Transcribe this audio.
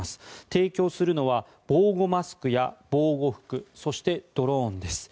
提供するのは防護マスクや防護服そして、ドローンです。